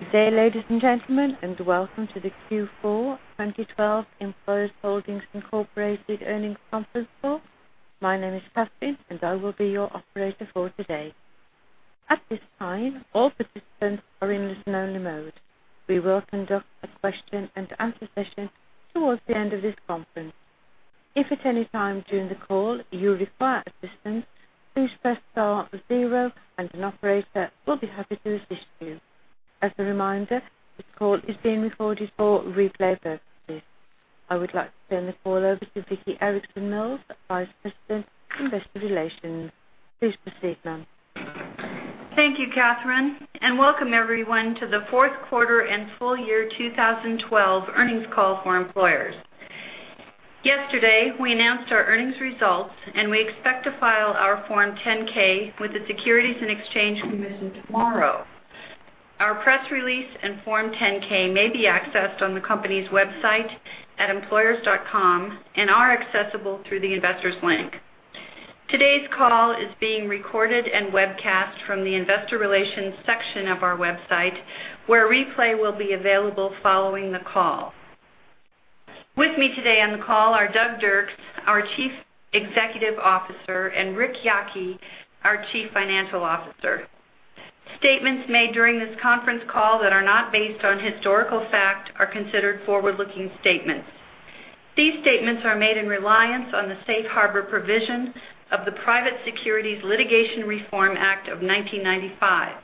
Good day, ladies and gentlemen, and welcome to the Q4 2012 Employers Holdings, Inc. Earnings Conference Call. My name is Catherine, and I will be your operator for today. At this time, all participants are in listen only mode. We will conduct a question and answer session towards the end of this conference. If at any time during the call you require assistance, please press star zero and an operator will be happy to assist you. As a reminder, this call is being recorded for replay purposes. I would like to turn the call over to Vicki Erickson Mills, Vice President of Investor Relations. Please proceed, ma'am. Thank you, Catherine. Welcome everyone to the fourth quarter and full year 2012 earnings call for Employers. Yesterday, we announced our earnings results, and we expect to file our Form 10-K with the Securities and Exchange Commission tomorrow. Our press release and Form 10-K may be accessed on the company's website at employers.com and are accessible through the investors link. Today's call is being recorded and webcast from the investor relations section of our website, where a replay will be available following the call. With me today on the call are Doug Dirks, our Chief Executive Officer, and Ric Yocke, our Chief Financial Officer. Statements made during this conference call that are not based on historical fact are considered forward-looking statements. These statements are made in reliance on the safe harbor provisions of the Private Securities Litigation Reform Act of 1995.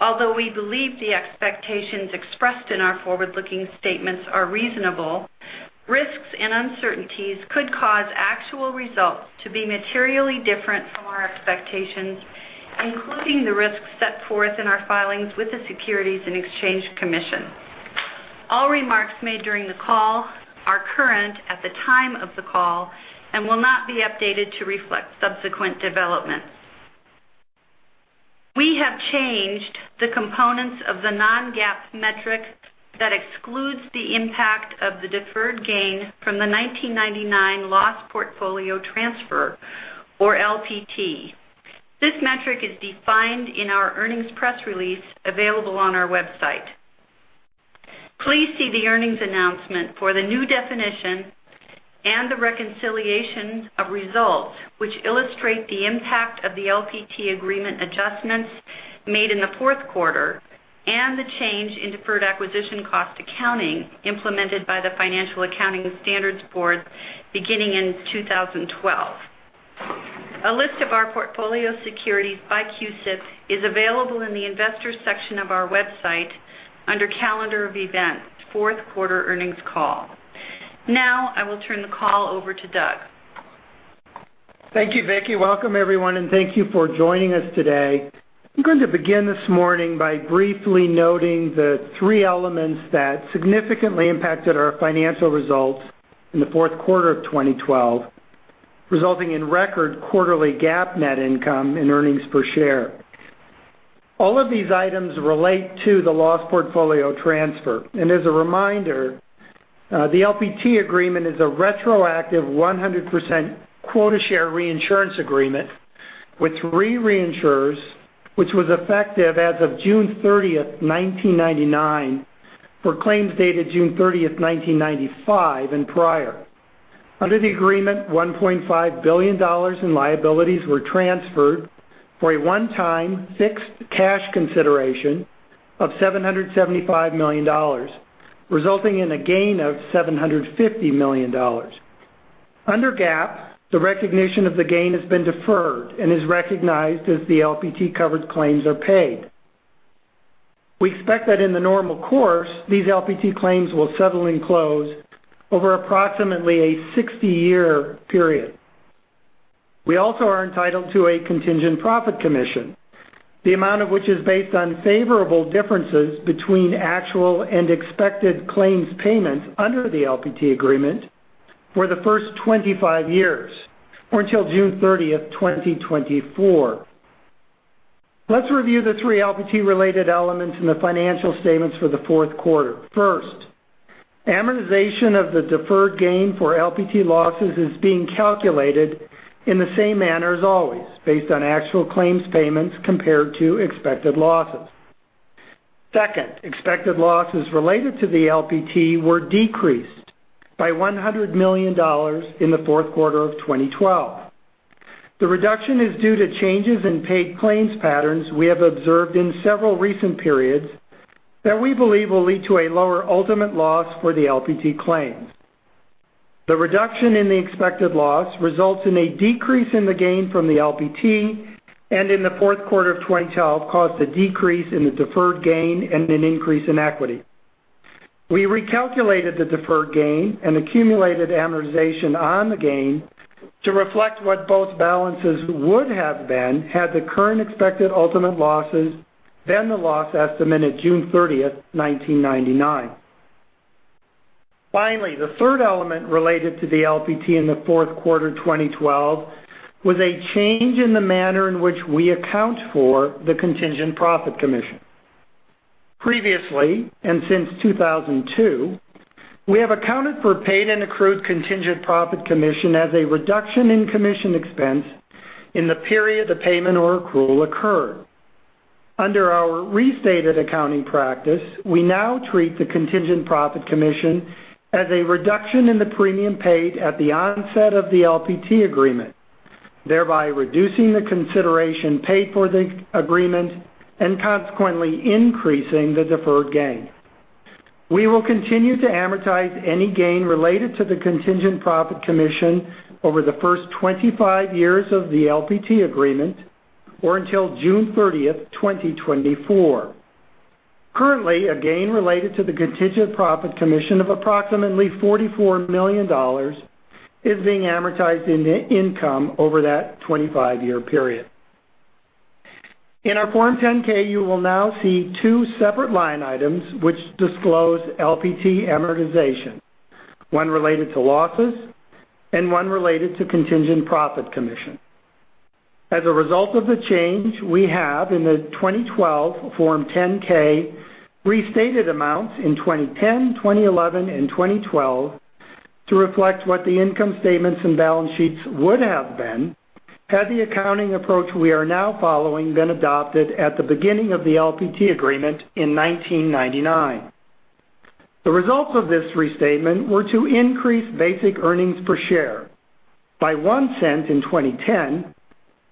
Although we believe the expectations expressed in our forward-looking statements are reasonable, risks and uncertainties could cause actual results to be materially different from our expectations, including the risks set forth in our filings with the Securities and Exchange Commission. All remarks made during the call are current at the time of the call and will not be updated to reflect subsequent developments. We have changed the components of the non-GAAP metric that excludes the impact of the deferred gain from the 1999 Loss Portfolio Transfer or LPT. This metric is defined in our earnings press release available on our website. Please see the earnings announcement for the new definition and the reconciliation of results, which illustrate the impact of the LPT agreement adjustments made in the fourth quarter and the change in deferred acquisition cost accounting implemented by the Financial Accounting Standards Board beginning in 2012. A list of our portfolio securities by CUSIP is available in the investors section of our website under calendar of events, fourth quarter earnings call. Now, I will turn the call over to Doug. Thank you, Vicki. Welcome everyone. Thank you for joining us today. I'm going to begin this morning by briefly noting the three elements that significantly impacted our financial results in the fourth quarter of 2012, resulting in record quarterly GAAP net income and earnings per share. All of these items relate to the loss portfolio transfer. As a reminder, the LPT agreement is a retroactive 100% quota share reinsurance agreement with three reinsurers, which was effective as of June 30th, 1999, for claims dated June 30th, 1995 and prior. Under the agreement, $1.5 billion in liabilities were transferred for a one-time fixed cash consideration of $775 million, resulting in a gain of $750 million. Under GAAP, the recognition of the gain has been deferred and is recognized as the LPT-covered claims are paid. We expect that in the normal course, these LPT claims will settle and close over approximately a 60-year period. We also are entitled to a contingent profit commission, the amount of which is based on favorable differences between actual and expected claims payments under the LPT agreement for the first 25 years or until June 30th, 2024. Let's review the three LPT-related elements in the financial statements for the fourth quarter. First, amortization of the deferred gain for LPT losses is being calculated in the same manner as always, based on actual claims payments compared to expected losses. Second, expected losses related to the LPT were decreased by $100 million in the fourth quarter of 2012. The reduction is due to changes in paid claims patterns we have observed in several recent periods that we believe will lead to a lower ultimate loss for the LPT claims. The reduction in the expected loss results in a decrease in the gain from the LPT and in the fourth quarter of 2012 caused a decrease in the deferred gain and an increase in equity. We recalculated the deferred gain and accumulated amortization on the gain to reflect what both balances would have been had the current expected ultimate losses been the loss estimate at June 30th, 1999. Finally, the third element related to the LPT in the fourth quarter 2012 was a change in the manner in which we account for the contingent profit commission. Previously, since 2002, we have accounted for paid and accrued contingent profit commission as a reduction in commission expense in the period the payment or accrual occurred. Under our restated accounting practice, we now treat the contingent profit commission as a reduction in the premium paid at the onset of the LPT agreement, thereby reducing the consideration paid for the agreement and consequently increasing the deferred gain. We will continue to amortize any gain related to the contingent profit commission over the first 25 years of the LPT agreement or until June 30th, 2024. Currently, a gain related to the contingent profit commission of approximately $44 million is being amortized in net income over that 25-year period. In our Form 10-K, you will now see two separate line items which disclose LPT amortization, one related to losses and one related to contingent profit commission. As a result of the change, we have in the 2012 Form 10-K restated amounts in 2010, 2011, and 2012 to reflect what the income statements and balance sheets would have been had the accounting approach we are now following been adopted at the beginning of the LPT agreement in 1999. The results of this restatement were to increase basic earnings per share by $0.01 in 2010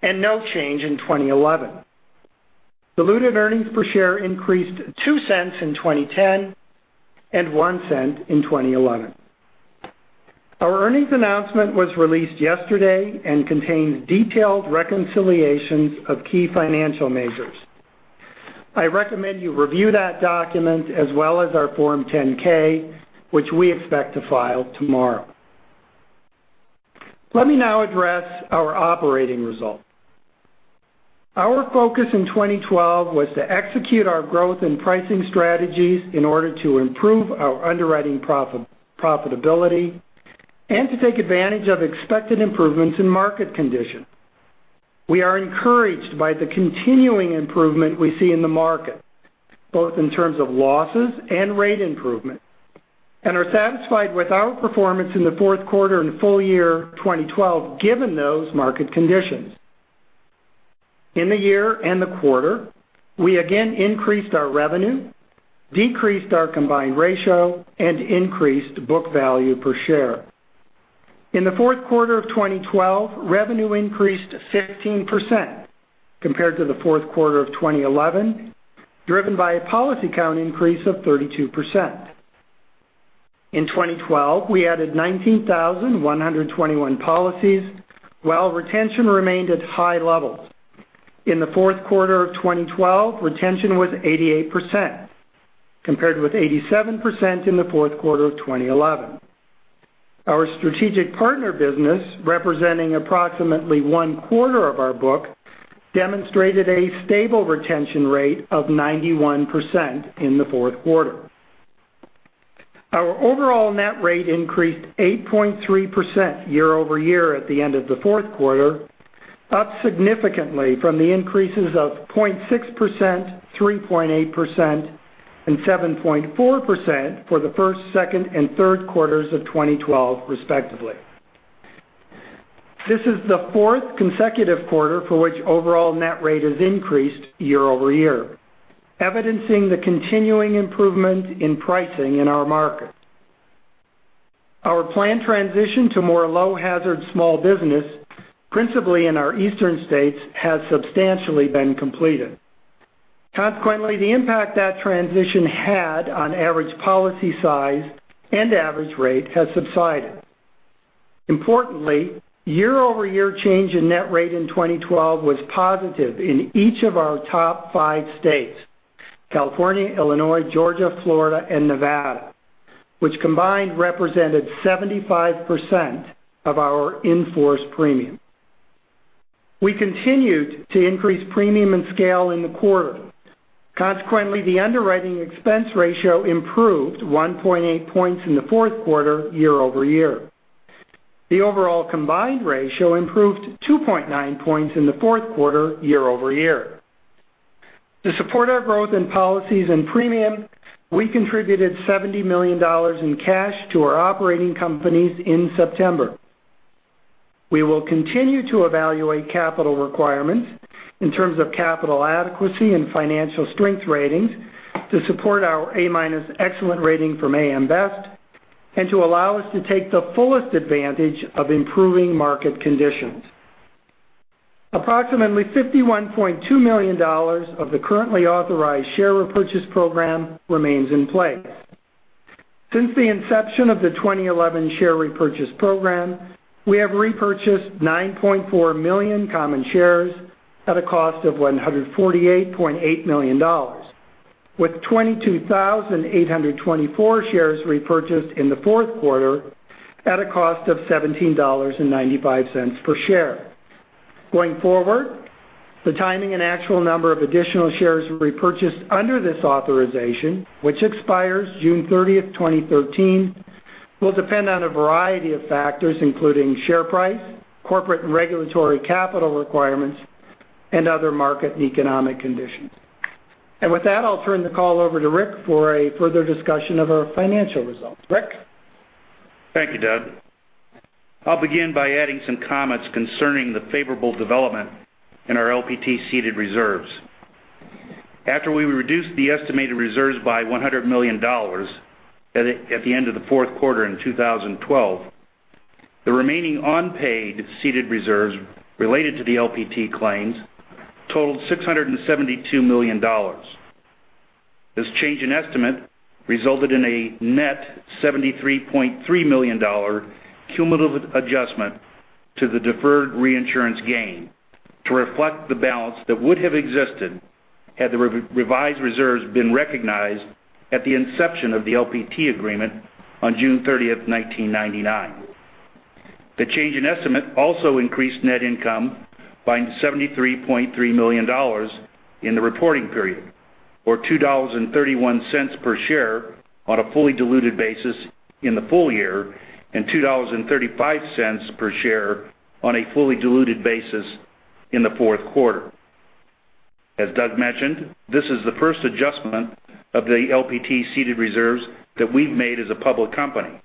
and no change in 2011. Diluted earnings per share increased $0.02 in 2010 and $0.01 in 2011. Our earnings announcement was released yesterday and contains detailed reconciliations of key financial measures. I recommend you review that document as well as our Form 10-K, which we expect to file tomorrow. Let me now address our operating results. Our focus in 2012 was to execute our growth and pricing strategies in order to improve our underwriting profitability and to take advantage of expected improvements in market conditions. We are encouraged by the continuing improvement we see in the market, both in terms of losses and rate improvement, and are satisfied with our performance in the fourth quarter and full year 2012, given those market conditions. In the year and the quarter, we again increased our revenue, decreased our combined ratio, and increased book value per share. In the fourth quarter of 2012, revenue increased 15% compared to the fourth quarter of 2011, driven by a policy count increase of 32%. In 2012, we added 19,121 policies while retention remained at high levels. In the fourth quarter of 2012, retention was 88% compared with 87% in the fourth quarter of 2011. Our strategic partner business, representing approximately one-quarter of our book, demonstrated a stable retention rate of 91% in the fourth quarter. Our overall net rate increased 8.3% year-over-year at the end of the fourth quarter, up significantly from the increases of 0.6%, 3.8%, and 7.4% for the first, second, and third quarters of 2012 respectively. This is the fourth consecutive quarter for which overall net rate has increased year-over-year, evidencing the continuing improvement in pricing in our market. Our planned transition to more low hazard small business, principally in our eastern states, has substantially been completed. Consequently, the impact that transition had on average policy size and average rate has subsided. Importantly, year-over-year change in net rate in 2012 was positive in each of our top five states, California, Illinois, Georgia, Florida, and Nevada, which combined represented 75% of our in-force premium. We continued to increase premium and scale in the quarter. Consequently, the underwriting expense ratio improved 1.8 points in the fourth quarter year-over-year. The overall combined ratio improved 2.9 points in the fourth quarter year-over-year. To support our growth in policies and premium, we contributed $70 million in cash to our operating companies in September. We will continue to evaluate capital requirements in terms of capital adequacy and financial strength ratings to support our A- minus excellent rating from AM Best, and to allow us to take the fullest advantage of improving market conditions. Approximately $51.2 million of the currently authorized share repurchase program remains in place. Since the inception of the 2011 share repurchase program, we have repurchased 9.4 million common shares at a cost of $148.8 million, with 22,824 shares repurchased in the fourth quarter at a cost of $17.95 per share. Going forward, the timing and actual number of additional shares repurchased under this authorization, which expires June 30th, 2013, will depend on a variety of factors, including share price, corporate and regulatory capital requirements, and other market and economic conditions. With that, I'll turn the call over to Ric for a further discussion of our financial results. Ric? Thank you, Doug. I'll begin by adding some comments concerning the favorable development in our LPT ceded reserves. After we reduced the estimated reserves by $100 million at the end of the fourth quarter in 2012, the remaining unpaid ceded reserves related to the LPT claims totaled $672 million. This change in estimate resulted in a net $73.3 million cumulative adjustment to the deferred reinsurance gain to reflect the balance that would have existed had the revised reserves been recognized at the inception of the LPT agreement on June 30th, 1999. The change in estimate also increased net income by $73.3 million in the reporting period, or $2.31 per share on a fully diluted basis in the full year, and $2.35 per share on a fully diluted basis in the fourth quarter. As Doug mentioned, this is the first adjustment of the LPT ceded reserves that we've made as a public company.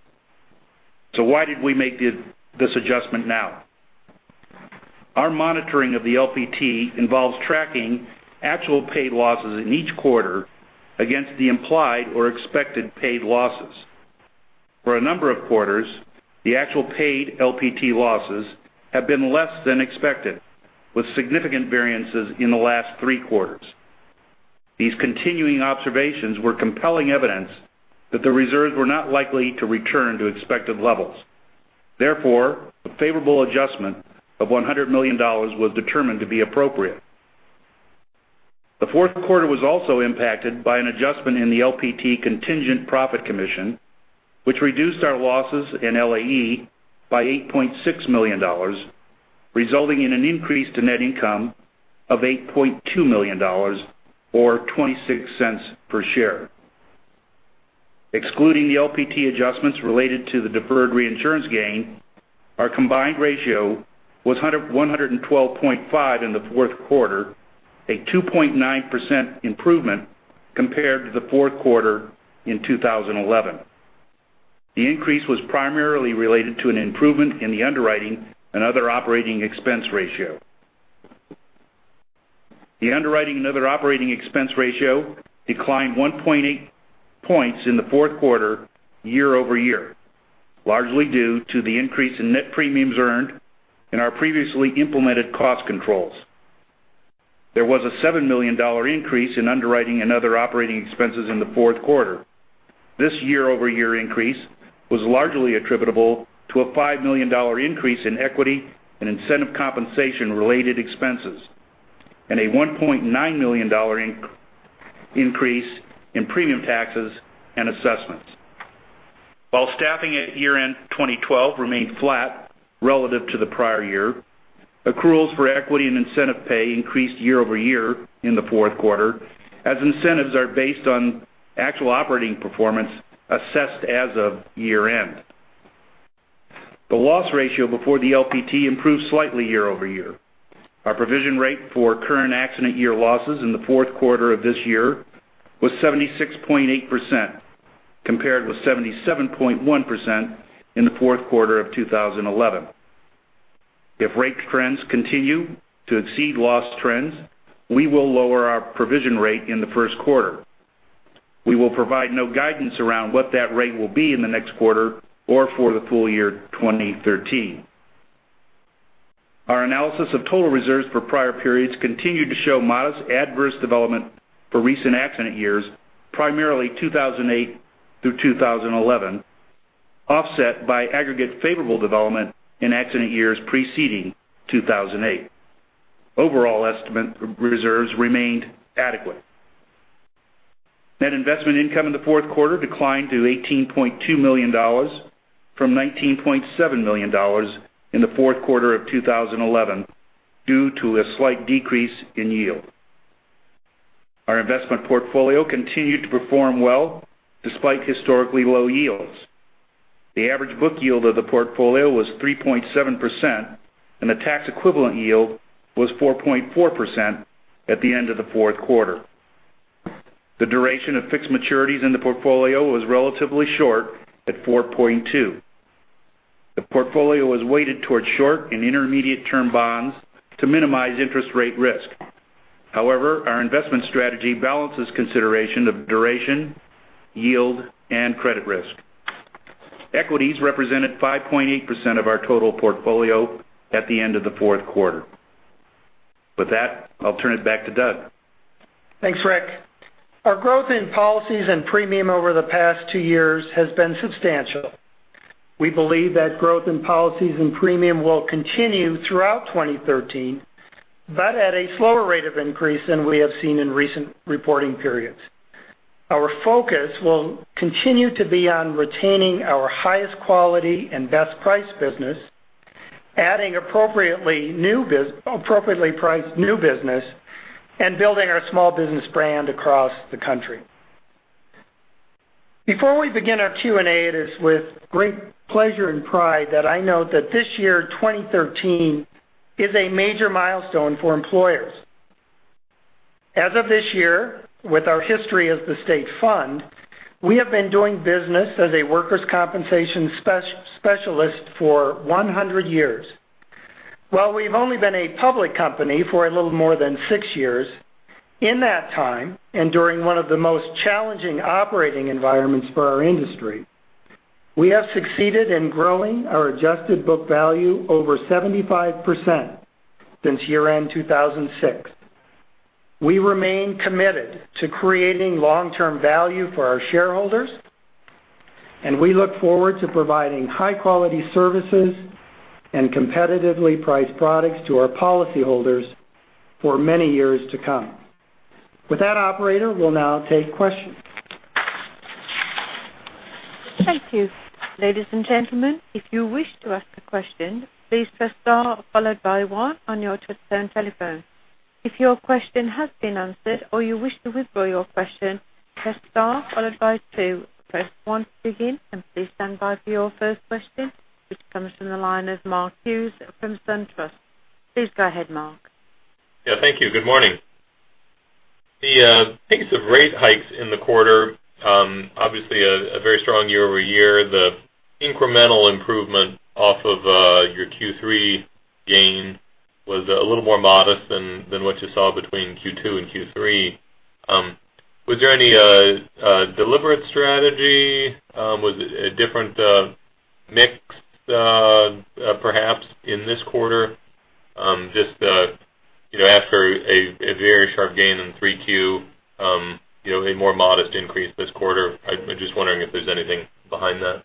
Why did we make this adjustment now? Our monitoring of the LPT involves tracking actual paid losses in each quarter against the implied or expected paid losses. For a number of quarters, the actual paid LPT losses have been less than expected, with significant variances in the last three quarters. These continuing observations were compelling evidence that the reserves were not likely to return to expected levels. Therefore, a favorable adjustment of $100 million was determined to be appropriate. The fourth quarter was also impacted by an adjustment in the LPT contingent profit commission, which reduced our losses in LAE by $8.6 million, resulting in an increase to net income of $8.2 million, or $0.26 per share. Excluding the LPT adjustments related to the deferred reinsurance gain, our combined ratio was 112.5 in the fourth quarter, a 2.9% improvement compared to the fourth quarter in 2011. The increase was primarily related to an improvement in the underwriting and other operating expense ratio. The underwriting and other operating expense ratio declined 1.8 points in the fourth quarter year-over-year, largely due to the increase in net premiums earned and our previously implemented cost controls. There was a $7 million increase in underwriting and other operating expenses in the fourth quarter. This year-over-year increase was largely attributable to a $5 million increase in equity and incentive compensation related expenses, and a $1.9 million increase in premium taxes and assessments. While staffing at year-end 2012 remained flat relative to the prior year, accruals for equity and incentive pay increased year-over-year in the fourth quarter, as incentives are based on actual operating performance assessed as of year-end. The loss ratio before the LPT improved slightly year-over-year. Our provision rate for current accident year losses in the fourth quarter of this year was 76.8%, compared with 77.1% in the fourth quarter of 2011. If rate trends continue to exceed loss trends, we will lower our provision rate in the first quarter. We will provide no guidance around what that rate will be in the next quarter or for the full year 2013. Our analysis of total reserves for prior periods continued to show modest adverse development for recent accident years, primarily 2008 through 2011, offset by aggregate favorable development in accident years preceding 2008. Overall estimate reserves remained adequate. Net investment income in the fourth quarter declined to $18.2 million from $19.7 million in the fourth quarter of 2011 due to a slight decrease in yield. Our investment portfolio continued to perform well despite historically low yields. The average book yield of the portfolio was 3.7%, and the tax equivalent yield was 4.4% at the end of the fourth quarter. The duration of fixed maturities in the portfolio was relatively short, at 4.2. The portfolio was weighted towards short and intermediate term bonds to minimize interest rate risk. However, our investment strategy balances consideration of duration, yield, and credit risk. Equities represented 5.8% of our total portfolio at the end of the fourth quarter. With that, I'll turn it back to Doug. Thanks, Ric. Our growth in policies and premium over the past two years has been substantial. We believe that growth in policies and premium will continue throughout 2013, but at a slower rate of increase than we have seen in recent reporting periods. Our focus will continue to be on retaining our highest quality and best priced business, adding appropriately priced new business, and building our small business brand across the country. Before we begin our Q&A, it is with great pleasure and pride that I note that this year, 2013, is a major milestone for Employers. As of this year, with our history as the state fund, we have been doing business as a workers' compensation specialist for 100 years. While we've only been a public company for a little more than six years, in that time, and during one of the most challenging operating environments for our industry, we have succeeded in growing our adjusted book value over 75% since year-end 2006. We remain committed to creating long-term value for our shareholders, and we look forward to providing high-quality services and competitively priced products to our policyholders for many years to come. With that, operator, we'll now take questions. Thank you. Ladies and gentlemen, if you wish to ask a question, please press star followed by one on your touchtone telephone. If your question has been answered or you wish to withdraw your question, press star followed by two. Press one to begin, and please stand by for your first question, which comes from the line of Mark Hughes from SunTrust. Please go ahead, Mark. Yeah, thank you. Good morning. The pace of rate hikes in the quarter, obviously a very strong year-over-year. The incremental improvement off of your Q3 gain was a little more modest than what you saw between Q2 and Q3. Was there any deliberate strategy? Was it a different mix perhaps in this quarter? Just after a very sharp gain in 3Q, a more modest increase this quarter. I'm just wondering if there's anything behind that.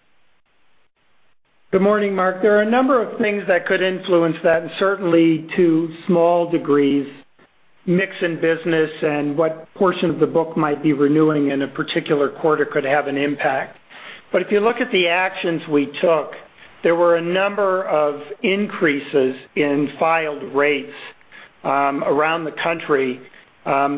Good morning, Mark. There are a number of things that could influence that, and certainly to small degrees, mix in business and what portion of the book might be renewing in a particular quarter could have an impact. If you look at the actions we took, there were a number of increases in filed rates around the country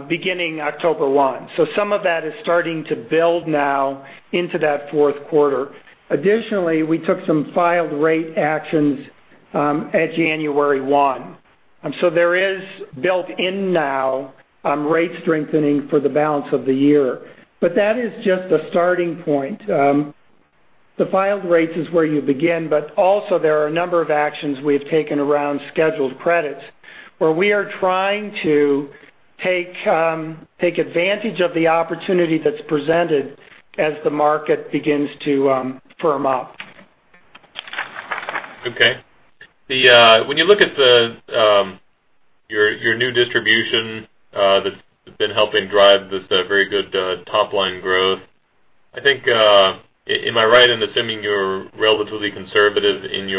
beginning October 1. Some of that is starting to build now into that fourth quarter. Additionally, we took some filed rate actions at January 1. There is built in now rate strengthening for the balance of the year. That is just a starting point. The filed rates is where you begin, but also there are a number of actions we've taken around scheduled credits where we are trying to take advantage of the opportunity that's presented as the market begins to firm up. Okay. When you look at your new distribution that's been helping drive this very good top-line growth, am I right in assuming you're relatively conservative in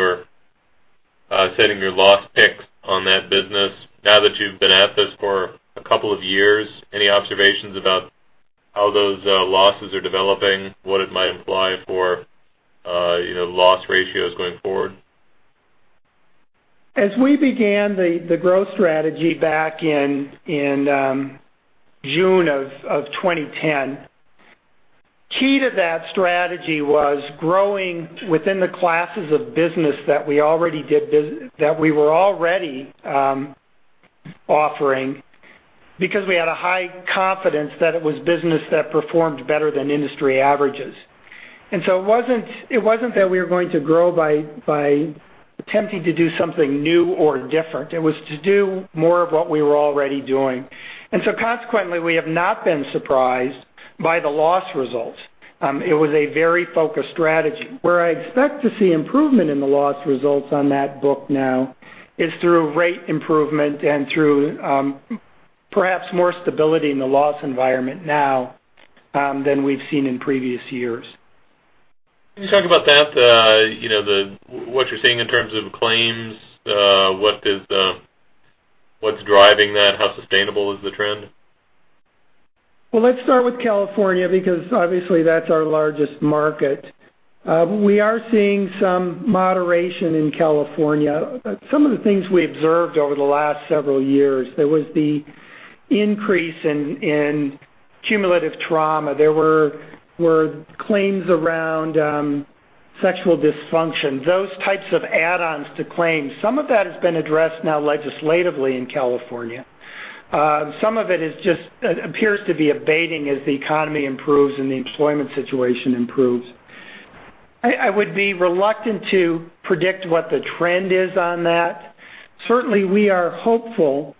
setting your loss picks on that business now that you've been at this for a couple of years? Any observations about how those losses are developing, what it might imply for loss ratios going forward? As we began the growth strategy back in June of 2010, key to that strategy was growing within the classes of business that we were already offering because we had a high confidence that it was business that performed better than industry averages. It wasn't that we were going to grow by attempting to do something new or different. It was to do more of what we were already doing. Consequently, we have not been surprised by the loss results. It was a very focused strategy. Where I expect to see improvement in the loss results on that book now is through rate improvement and through perhaps more stability in the loss environment now than we've seen in previous years. Can you talk about that, what you're seeing in terms of claims? What's driving that? How sustainable is the trend? Well, let's start with California, because obviously that's our largest market. We are seeing some moderation in California. Some of the things we observed over the last several years, there was the increase in cumulative trauma. There were claims around sexual dysfunction, those types of add-ons to claims. Some of that has been addressed now legislatively in California. Some of it appears to be abating as the economy improves and the employment situation improves. I would be reluctant to predict what the trend is on that. Certainly, we are hopeful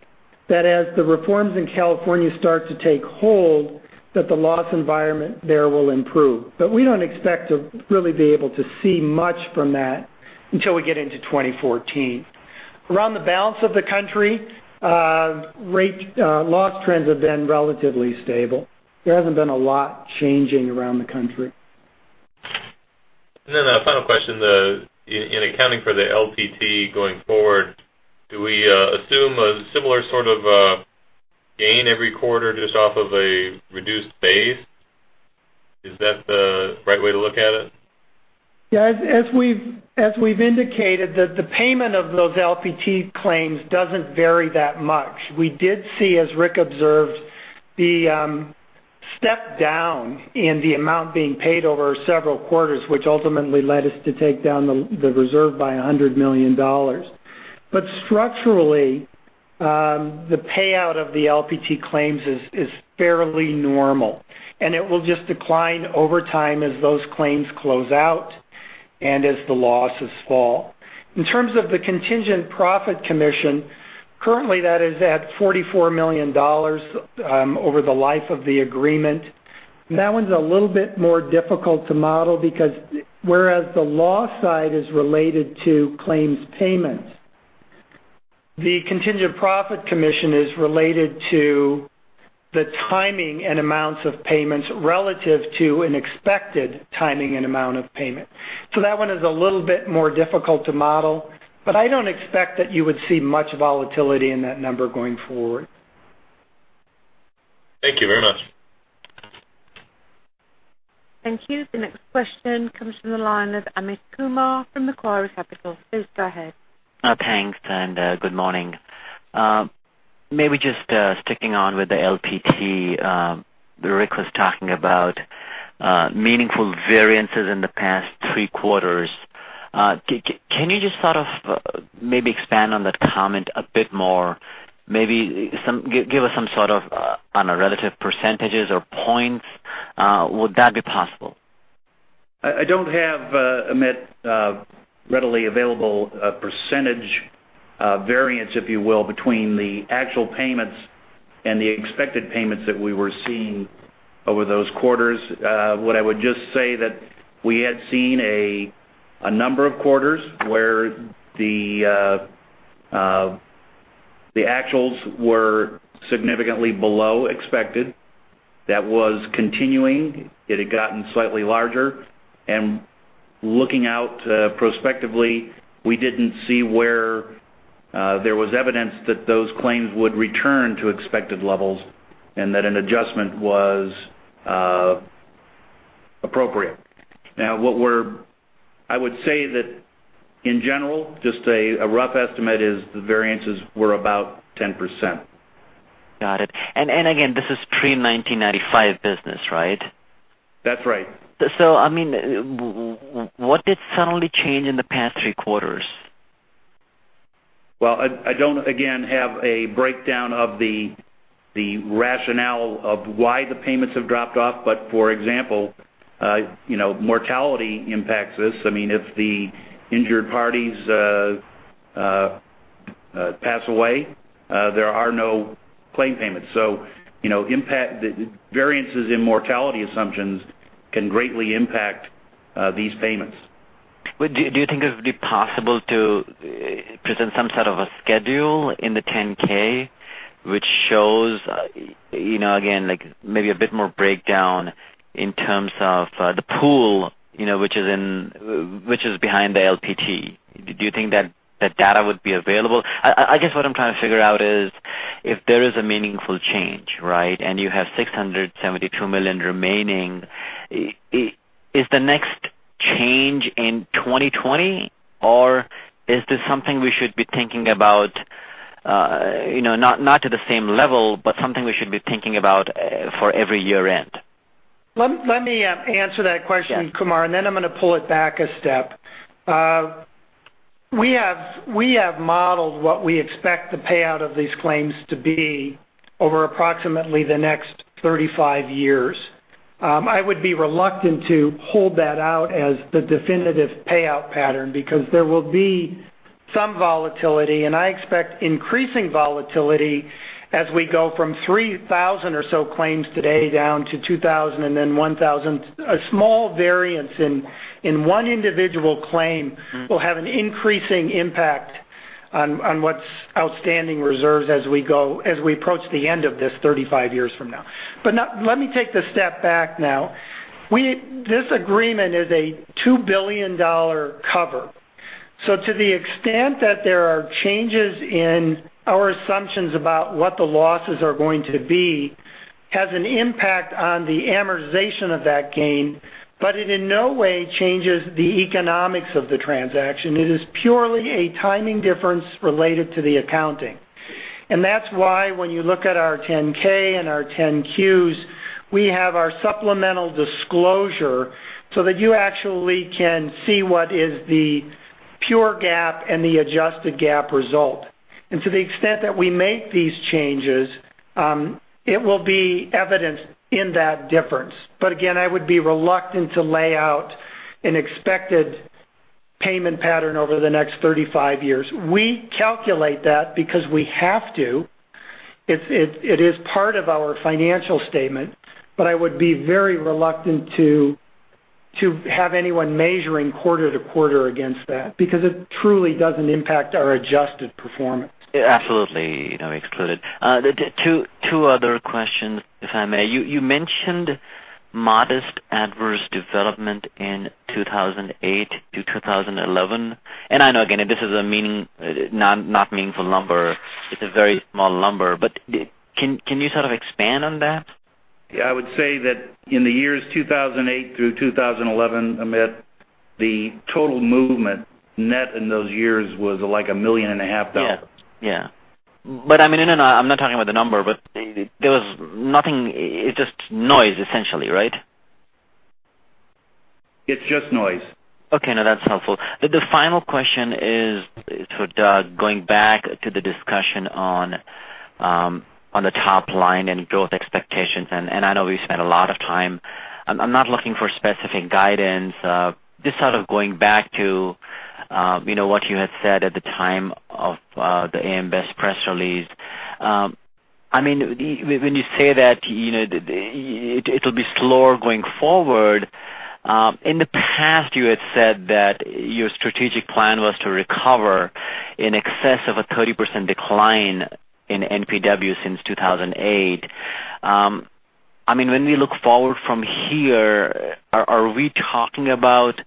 that as the reforms in California start to take hold, that the loss environment there will improve. We don't expect to really be able to see much from that until we get into 2014. Around the balance of the country, loss trends have been relatively stable. There hasn't been a lot changing around the country. A final question. In accounting for the LPT going forward, do we assume a similar sort of gain every quarter just off of a reduced base? Is that the right way to look at it? Yeah. As we've indicated, the payment of those LPT claims doesn't vary that much. We did see, as Ric observed, the step down in the amount being paid over several quarters, which ultimately led us to take down the reserve by $100 million. Structurally, the payout of the LPT claims is fairly normal, and it will just decline over time as those claims close out and as the losses fall. In terms of the contingent profit commission, currently that is at $44 million over the life of the agreement. That one's a little bit more difficult to model because whereas the loss side is related to claims payments, the contingent profit commission is related to the timing and amounts of payments relative to an expected timing and amount of payment. That one is a little bit more difficult to model, but I don't expect that you would see much volatility in that number going forward. Thank you very much. Thank you. The next question comes from the line of Amit Kumar from Macquarie Capital. Please go ahead. Thanks. Good morning. Maybe just sticking on with the LPT. Ric was talking about meaningful variances in the past three quarters. Can you just maybe expand on that comment a bit more? Maybe give us some sort of on a relative percentages or points. Would that be possible? I don't have, Amit, readily available percentage variance, if you will, between the actual payments and the expected payments that we were seeing over those quarters. What I would just say that we had seen a number of quarters where the actuals were significantly below expected. That was continuing. It had gotten slightly larger. Looking out prospectively, we didn't see where there was evidence that those claims would return to expected levels and that an adjustment was appropriate. Now, I would say that in general, just a rough estimate is the variances were about 10%. Got it. Again, this is pre-1995 business, right? That's right. What did suddenly change in the past three quarters? I don't, again, have a breakdown of the rationale of why the payments have dropped off. For example, mortality impacts this. If the injured parties pass away, there are no claim payments. Variances in mortality assumptions can greatly impact these payments. Do you think it would be possible to present some sort of a schedule in the 10-K which shows, again, maybe a bit more breakdown in terms of the pool which is behind the LPT? Do you think that data would be available? I guess what I'm trying to figure out is if there is a meaningful change, and you have $672 million remaining, is the next change in 2020, or is this something we should be thinking about, not to the same level, but something we should be thinking about for every year-end? Let me answer that question, Kumar, and then I'm going to pull it back a step. We have modeled what we expect the payout of these claims to be over approximately the next 35 years. I would be reluctant to hold that out as the definitive payout pattern because there will be some volatility, and I expect increasing volatility as we go from 3,000 or so claims today down to 2,000 and then 1,000. A small variance in one individual claim will have an increasing impact on what's outstanding reserves as we approach the end of this 35 years from now. Let me take the step back now. This agreement is a $2 billion cover. To the extent that there are changes in our assumptions about what the losses are going to be has an impact on the amortization of that gain, but it in no way changes the economics of the transaction. It is purely a timing difference related to the accounting. That's why when you look at our 10-K and our 10-Qs, we have our supplemental disclosure so that you actually can see what is the pure GAAP and the adjusted GAAP result. To the extent that we make these changes, it will be evidenced in that difference. Again, I would be reluctant to lay out an expected payment pattern over the next 35 years. We calculate that because we have to. It is part of our financial statement, I would be very reluctant to have anyone measuring quarter to quarter against that because it truly doesn't impact our adjusted performance. Absolutely excluded. Two other questions, if I may. You mentioned modest adverse development in 2008 to 2011. I know, again, this is a not meaningful number. It's a very small number, but can you sort of expand on that? Yeah, I would say that in the years 2008 through 2011, Amit, the total movement net in those years was like a million and a half dollars. I'm not talking about the number, but there was nothing. It's just noise essentially, right? It's just noise. Okay. No, that's helpful. The final question is to Doug, going back to the discussion on the top line and growth expectations, and I know we've spent a lot of time. I'm not looking for specific guidance, just sort of going back to what you had said at the time of the AM Best press release. When you say that it'll be slower going forward, in the past, you had said that your strategic plan was to recover in excess of a 30% decline in NPW since 2008. When we look forward from here, are we talking about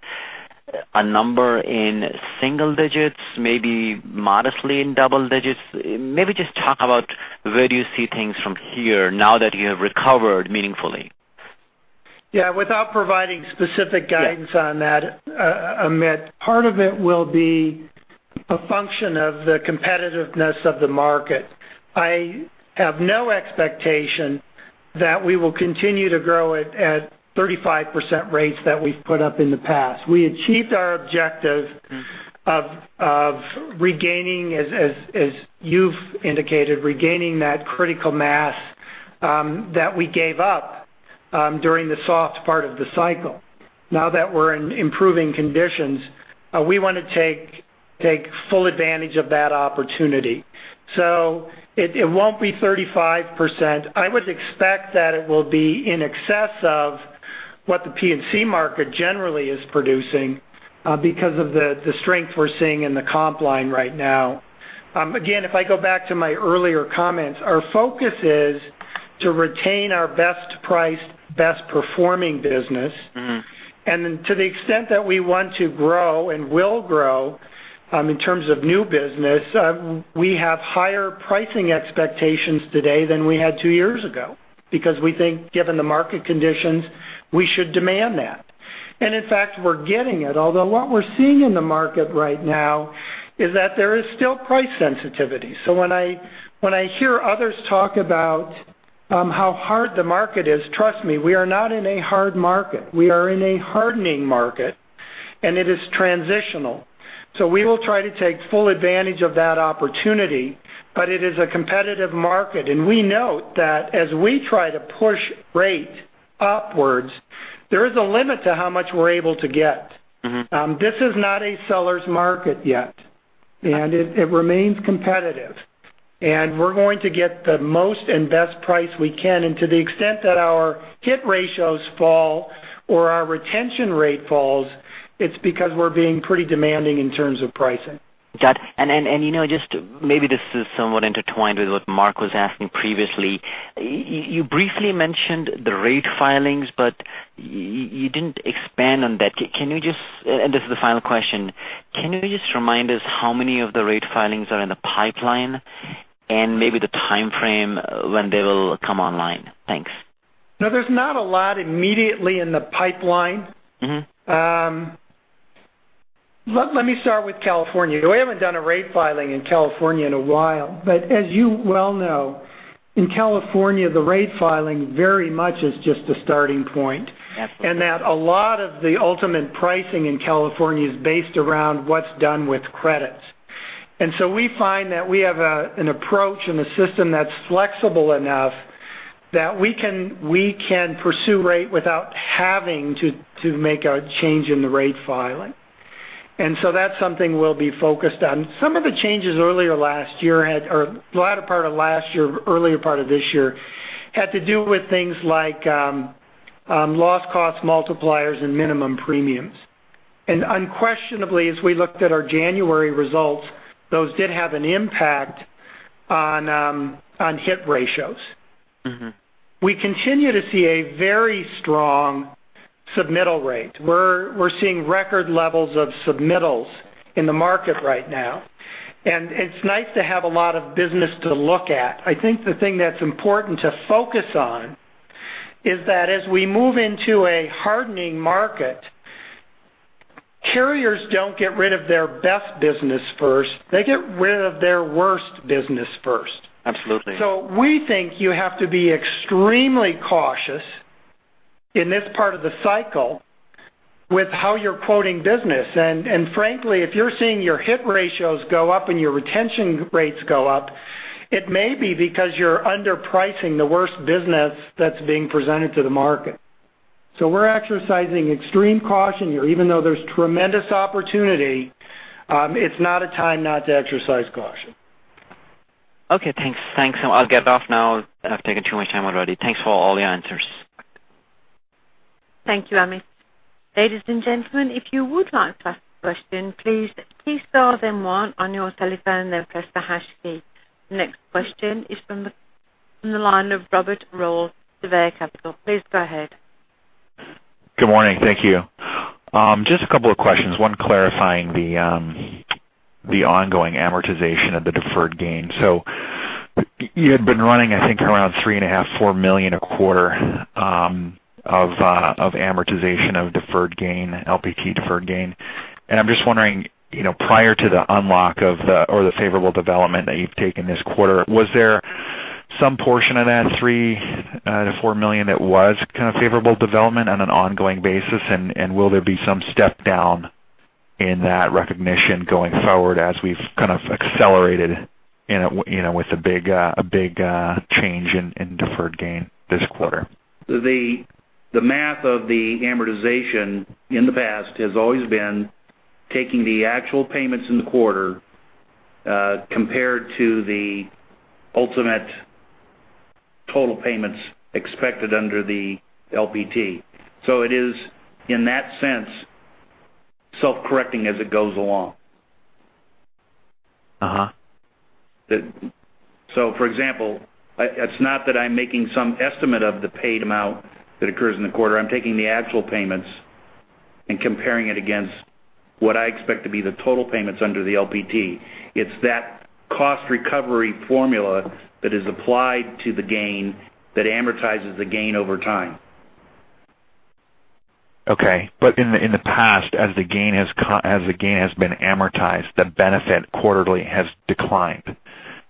a number in single digits, maybe modestly in double digits? Maybe just talk about where do you see things from here now that you have recovered meaningfully. Yeah. Without providing specific guidance on that, Amit, part of it will be a function of the competitiveness of the market. I have no expectation that we will continue to grow it at 35% rates that we've put up in the past. We achieved our objective of regaining, as you've indicated, regaining that critical mass that we gave up during the soft part of the cycle. Now that we're in improving conditions, we want to take full advantage of that opportunity. It won't be 35%. I would expect that it will be in excess of what the P&C market generally is producing because of the strength we're seeing in the comp line right now. Again, if I go back to my earlier comments, our focus is to retain our best priced, best performing business. To the extent that we want to grow and will grow, in terms of new business, we have higher pricing expectations today than we had two years ago because we think, given the market conditions, we should demand that. In fact, we're getting it, although what we're seeing in the market right now is that there is still price sensitivity. When I hear others talk about how hard the market is, trust me, we are not in a hard market. We are in a hardening market, and it is transitional. We will try to take full advantage of that opportunity, but it is a competitive market, and we note that as we try to push rate upwards, there is a limit to how much we're able to get. This is not a seller's market yet, and it remains competitive, and we're going to get the most and best price we can. To the extent that our hit ratios fall or our retention rate falls, it's because we're being pretty demanding in terms of pricing. Got it. Just maybe this is somewhat intertwined with what Mark was asking previously. You briefly mentioned the rate filings, but you didn't expand on that. This is the final question, can you just remind us how many of the rate filings are in the pipeline and maybe the timeframe when they will come online? Thanks. No, there's not a lot immediately in the pipeline. Let me start with California. We haven't done a rate filing in California in a while, as you well know, in California, the rate filing very much is just a starting point. Absolutely. That a lot of the ultimate pricing in California is based around what's done with credits. We find that we have an approach and a system that's flexible enough that we can pursue rate without having to make a change in the rate filing. That's something we'll be focused on. Some of the changes earlier last year or the latter part of last year, earlier part of this year, had to do with things like loss cost multipliers and minimum premiums. Unquestionably, as we looked at our January results, those did have an impact on hit ratios. We continue to see a very strong submittal rate. We're seeing record levels of submittals in the market right now, and it's nice to have a lot of business to look at. I think the thing that's important to focus on is that as we move into a hardening market, carriers don't get rid of their best business first. They get rid of their worst business first. Absolutely. We think you have to be extremely cautious in this part of the cycle with how you're quoting business. Frankly, if you're seeing your hit ratios go up and your retention rates go up, it may be because you're underpricing the worst business that's being presented to the market. We're exercising extreme caution here. Even though there's tremendous opportunity, it's not a time not to exercise caution. Okay, thanks. I'll get off now. I've taken too much time already. Thanks for all the answers. Thank you, Amit. Ladies and gentlemen, if you would like to ask a question, please key star then one on your telephone, then press the hash key. Next question is from the line of Robert Rolfe, Surveyor Capital. Please go ahead. Good morning. Thank you. Just a couple of questions. One clarifying the ongoing amortization of the deferred gain. You had been running, I think around $3.5 million-$4 million a quarter of amortization of LPT deferred gain. I'm just wondering, prior to the unlock or the favorable development that you've taken this quarter, was there some portion of that $3 million-$4 million that was kind of favorable development on an ongoing basis? Will there be some step down in that recognition going forward as we've kind of accelerated with a big change in deferred gain this quarter? The math of the amortization in the past has always been taking the actual payments in the quarter, compared to the ultimate total payments expected under the LPT. It is, in that sense, self-correcting as it goes along. For example, it's not that I'm making some estimate of the paid amount that occurs in the quarter. I'm taking the actual payments and comparing it against what I expect to be the total payments under the LPT. It's that cost recovery formula that is applied to the gain that amortizes the gain over time. Okay. In the past, as the gain has been amortized, the benefit quarterly has declined.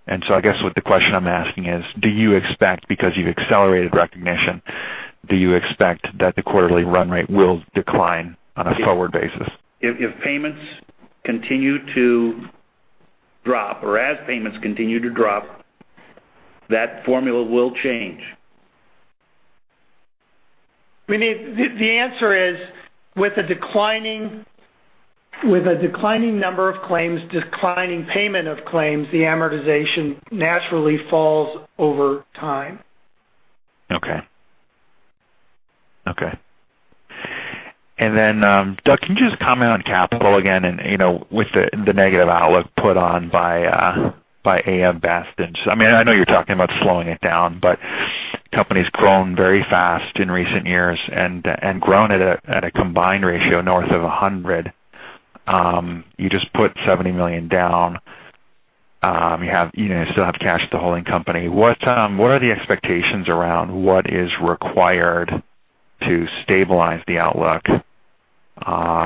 I guess what the question I'm asking is, do you expect, because you've accelerated recognition, do you expect that the quarterly run rate will decline on a forward basis? If payments continue to drop or as payments continue to drop, that formula will change. The answer is, with a declining number of claims, declining payment of claims, the amortization naturally falls over time. Okay. Doug, can you just comment on capital again, with the negative outlook put on by AM Best? I know you're talking about slowing it down, but company's grown very fast in recent years and grown at a combined ratio north of 100. You just put $70 million down. You still have cash at the holding company. What are the expectations around what is required to stabilize the outlook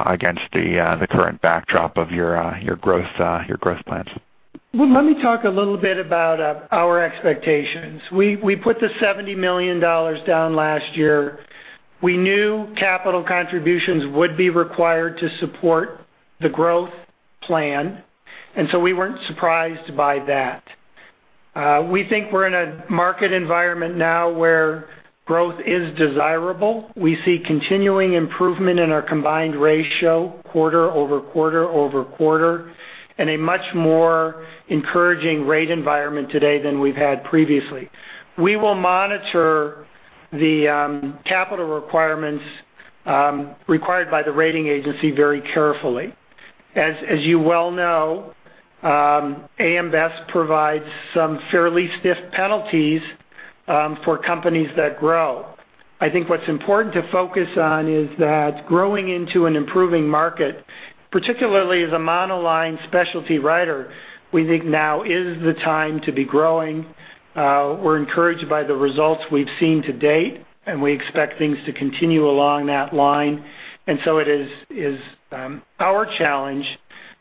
against the current backdrop of your growth plans? Well, let me talk a little bit about our expectations. We put the $70 million down last year. We knew capital contributions would be required to support the growth plan, we weren't surprised by that. We think we're in a market environment now where growth is desirable. We see continuing improvement in our combined ratio quarter over quarter over quarter, and a much more encouraging rate environment today than we've had previously. We will monitor the capital requirements, required by the rating agency very carefully. As you well know, AM Best provides some fairly stiff penalties for companies that grow. I think what's important to focus on is that growing into an improving market, particularly as a monoline specialty writer, we think now is the time to be growing. We're encouraged by the results we've seen to date, and we expect things to continue along that line. It is our challenge,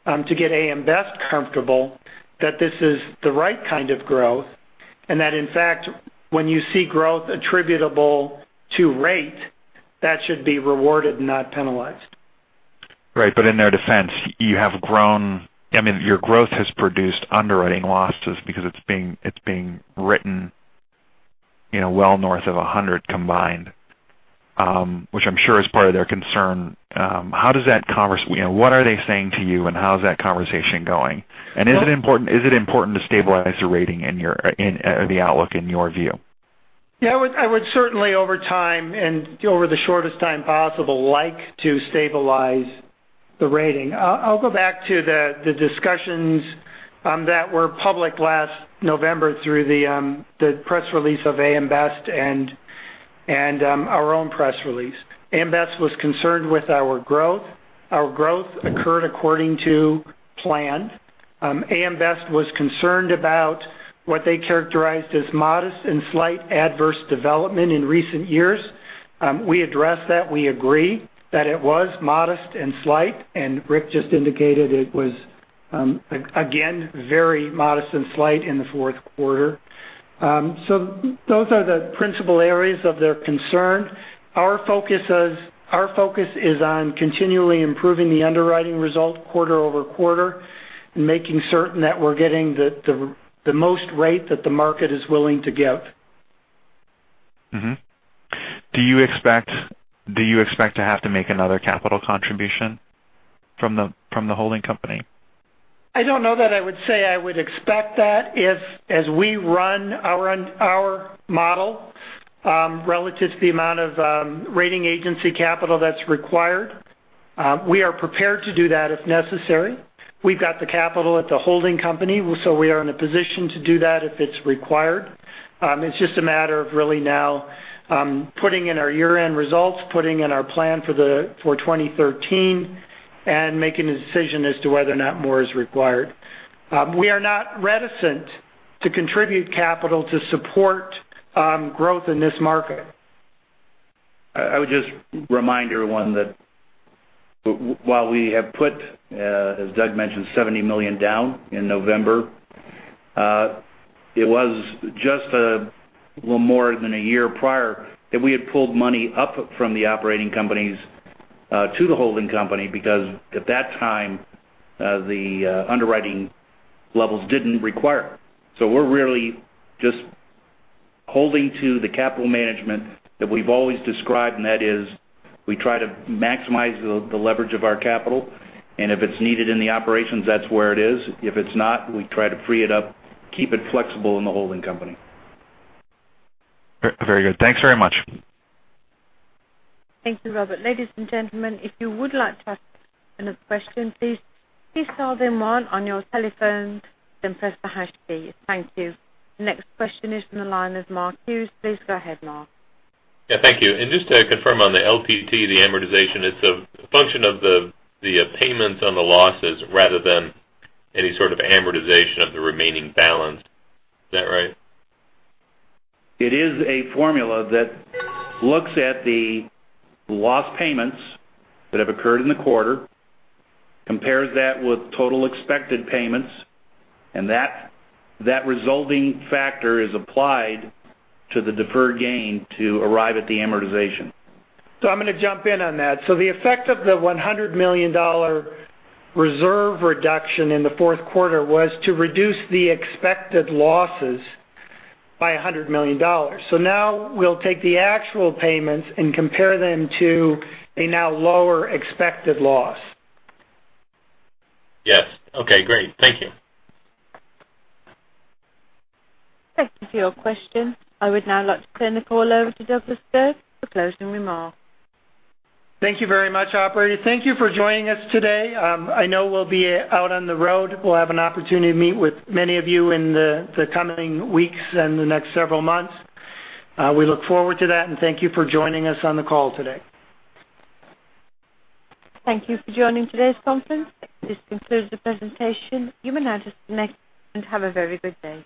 to get AM Best comfortable that this is the right kind of growth, and that in fact, when you see growth attributable to rate, that should be rewarded, not penalized. Right. In their defense, your growth has produced underwriting losses because it's being written well north of 100 combined, which I'm sure is part of their concern. What are they saying to you and how is that conversation going? Is it important to stabilize the rating and the outlook in your view? Yeah. I would certainly over time and over the shortest time possible, like to stabilize the rating. I'll go back to the discussions that were public last November through the press release of AM Best and our own press release. AM Best was concerned with our growth. Our growth occurred according to plan. AM Best was concerned about what they characterized as modest and slight adverse development in recent years. We addressed that. We agree that it was modest and slight, and Ric just indicated it was, again, very modest and slight in the fourth quarter. Those are the principal areas of their concern. Our focus is on continually improving the underwriting result quarter-over-quarter and making certain that we're getting the most rate that the market is willing to give. Mm-hmm. Do you expect to have to make another capital contribution from the holding company? I don't know that I would say I would expect that if as we run our model, relative to the amount of rating agency capital that's required. We are prepared to do that if necessary. We've got the capital at the holding company, we are in a position to do that if it's required. It's just a matter of really now putting in our year-end results, putting in our plan for 2013, making a decision as to whether or not more is required. We are not reticent to contribute capital to support growth in this market. I would just remind everyone that while we have put, as Douglas mentioned, $70 million down in November, it was just a little more than a year prior that we had pulled money up from the operating companies to the holding company, because at that time, the underwriting levels didn't require it. We're really just holding to the capital management that we've always described, and that is we try to maximize the leverage of our capital, and if it's needed in the operations, that's where it is. If it's not, we try to free it up, keep it flexible in the holding company. Very good. Thanks very much. Thank you, Robert. Ladies and gentlemen, if you would like to ask another question, please dial the one on your telephones, then press the hash key. Thank you. Next question is from the line of Mark Hughes. Please go ahead, Mark. Yeah, thank you. Just to confirm on the LPT, the amortization, it's a function of the payments on the losses rather than any sort of amortization of the remaining balance. Is that right? It is a formula that looks at the loss payments that have occurred in the quarter, compares that with total expected payments, and that resulting factor is applied to the deferred gain to arrive at the amortization. I'm going to jump in on that. The effect of the $100 million reserve reduction in the fourth quarter was to reduce the expected losses by $100 million. Now we'll take the actual payments and compare them to a now lower expected loss. Yes. Okay, great. Thank you. Thank you for your question. I would now like to turn the call over to Douglas Dirks for closing remarks. Thank you very much, operator. Thank you for joining us today. I know we'll be out on the road. We'll have an opportunity to meet with many of you in the coming weeks and the next several months. We look forward to that, and thank you for joining us on the call today. Thank you for joining today's conference. This concludes the presentation. You may now disconnect and have a very good day.